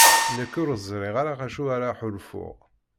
Nekk ur ẓriɣ ara acu ara ḥulfuɣ.